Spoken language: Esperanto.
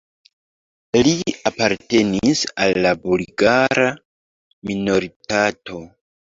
Li apartenis al la bulgara minoritato.